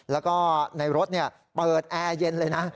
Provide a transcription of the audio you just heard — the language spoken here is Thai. แล้วก็ในรถเปิดแอร์เย็นเลยนะ